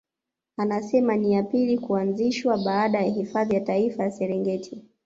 Anasema ni ya pili kuanzishwa baada ya Hifadhi ya Taifa ya Serengeti